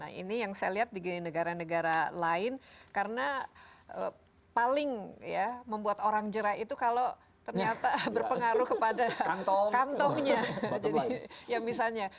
kalau misalnya kita mengambil sampah di negara negara lain karena paling membuat orang jerah itu kalau ternyata berpengaruh kepada kantongnya